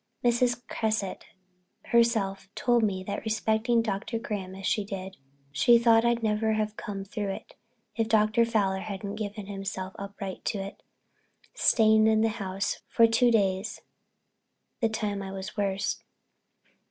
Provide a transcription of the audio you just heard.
Mrs. Cresset herself told me that respecting Dr. Graham as she did, she thought I'd never have come through if Dr. Fowler hadn't given himself right up to it, staying in the house for two days the time I was worst.